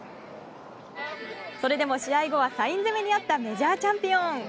それでも、試合後はサイン攻めに遭ったメジャーチャンピオン。